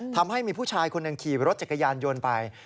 ทำให้มีผู้ชายคนหนึ่งขี่รถจักรยานยนต์ไป